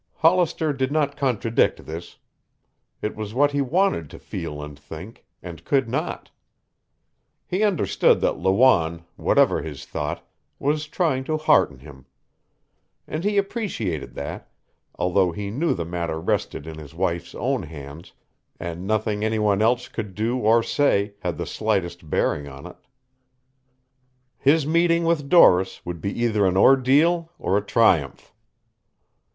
Hollister did not contradict this. It was what he wanted to feel and think, and could not. He understood that Lawanne, whatever his thought, was trying to hearten him. And he appreciated that, although he knew the matter rested in his wife's own hands and nothing any one else could do or say had the slightest bearing on it. His meeting with Doris would be either an ordeal or a triumph.